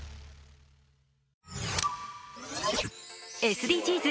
ＳＤＧｓ